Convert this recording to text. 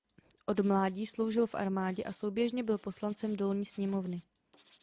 Od mládí sloužil v armádě a souběžně byl poslancem Dolní sněmovny.